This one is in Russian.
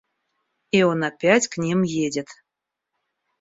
И он опять к ним едет.